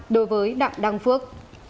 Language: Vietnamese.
đối với đảng đăng phước